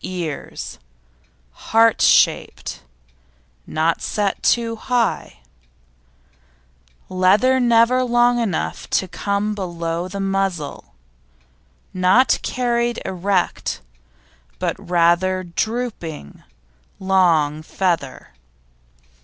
EARS Heart shaped; not set too high; leather never long enough to come below the muzzle; not carried erect, but rather drooping, long feather.